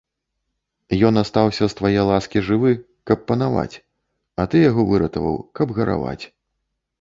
Ён астаўся, з твае ласкі, жывы, каб панаваць, а ты яго выратаваў, каб гараваць.